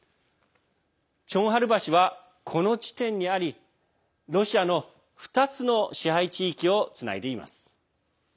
チョンハル橋は、この地点にありロシアの２つの支配地域をつないでいます。